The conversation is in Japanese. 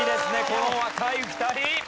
この若い２人！